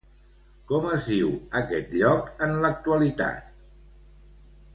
Com es diu aquest lloc en l'actualitat?